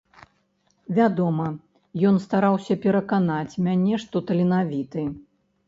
Вядома, ён стараўся пераканаць мяне, што таленавіты.